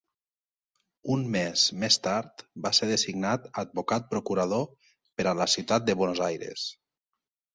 Un mes més tard va ser designat advocat procurador per a la ciutat de Buenos Aires.